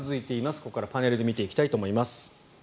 ここからパネルで見ていきたいと思います。